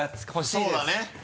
そうだね。